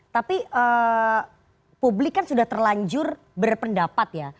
tapi publik kan sudah terlanjur berpendapat ya